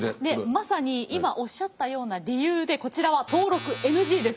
まさに今おっしゃったような理由でこちらは登録ＮＧです。